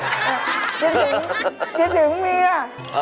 คิดถึงคิดถึงเมีย